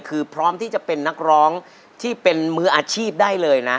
คือพร้อมที่จะเป็นนักร้องที่เป็นมืออาชีพได้เลยนะ